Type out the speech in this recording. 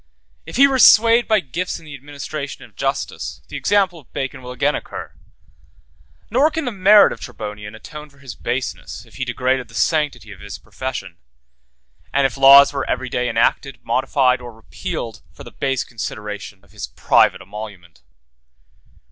If he were swayed by gifts in the administration of justice, the example of Bacon will again occur; nor can the merit of Tribonian atone for his baseness, if he degraded the sanctity of his profession; and if laws were every day enacted, modified, or repealed, for the base consideration of his private emolument.